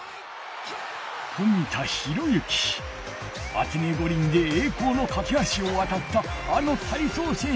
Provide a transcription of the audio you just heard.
アテネ五輪でえい光のかけはしをわたったあの体操選手